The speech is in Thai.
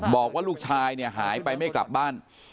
บอกว่าลูกชายเนี่ยหายไปไม่กลับบ้าน